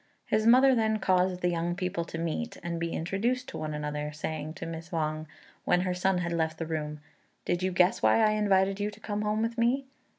His mother then caused the young people to meet, and be introduced to one another; saying to Miss Wang, when her son had left the room, "Did you guess why I invited you to come home with me?"